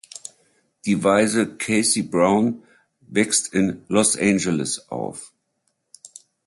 Die Waise Casey Brown wächst in Los Angeles auf.